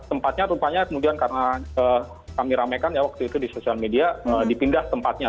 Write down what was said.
tempatnya rupanya kemudian karena kami ramekan ya waktu itu di sosial media dipindah tempatnya